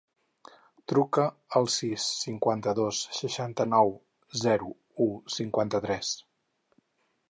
Truca al sis, cinquanta-dos, seixanta-nou, zero, u, cinquanta-tres.